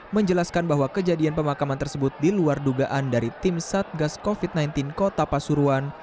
menjelaskan bahwa kejadian pemakaman tersebut diluar dugaan dari tim satgas covid sembilan belas kota pasuruan